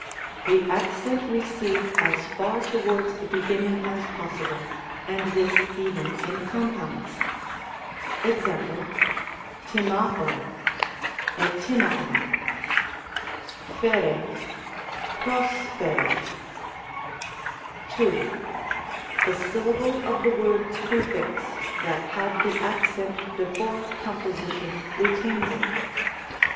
The accent recedes as far towards the beginning as possible, and this even in compounds. ^., rLfiacoy STifiaov ; <p8QSy nQoacpegs. II. The syllable of the word prefixed, that had the accent before composition, retains it.